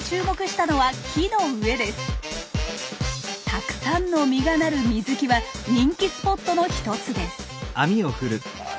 たくさんの実がなるミズキは人気スポットの一つです。